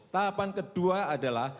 tahapan kedua adalah